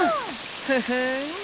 フフン。